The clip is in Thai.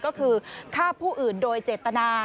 ก็คือฆ่าผู้อื่นโดยเจตนา